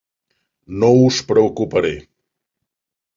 No us preocuparé.